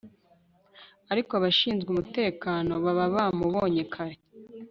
ariko abashinzwe umutekano baba bamubonye kare